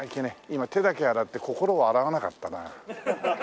今手だけ洗って心は洗わなかったな。